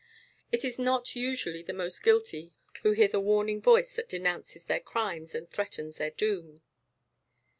It is not usually the most guilty who hear the warning voice that denounces their crimes and threatens their doom.